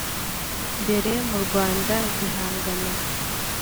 mbere mu rwanda igihangano